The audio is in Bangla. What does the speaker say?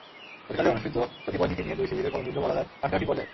সরকারের অনুসৃত কতিপয় নীতি নিয়ে দুই শিবিরের কলমযুদ্ধ বলা যায় হাড্ডাহাড্ডি পর্যায়ের।